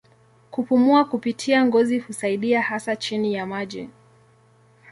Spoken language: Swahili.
Kupumua kupitia ngozi husaidia hasa chini ya maji.